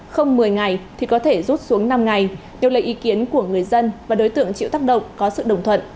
không một mươi ngày thì có thể rút xuống năm ngày điều lấy ý kiến của người dân và đối tượng chịu tác động có sự đồng thuận